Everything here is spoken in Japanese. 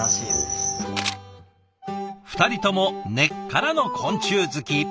２人とも根っからの昆虫好き。